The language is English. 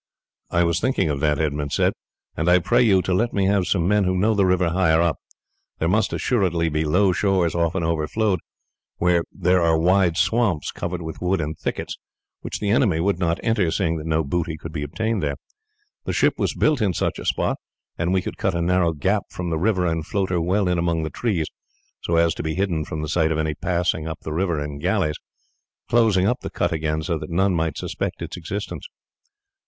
"I was thinking of that," Edmund said, "and I pray you to let me have some men who know the river higher up. There must assuredly be low shores often overflowed where there are wide swamps covered with wood and thickets, which the enemy would not enter, seeing that no booty could be obtained there. The ship was built in such a spot, and we could cut a narrow gap from the river and float her well in among the trees so as to be hidden from the sight of any passing up the river in galleys, closing up the cut again so that none might suspect its existence."